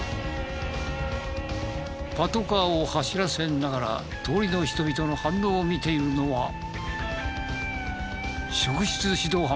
パトカーを走らせながら通りの人々の反応を見ているのは。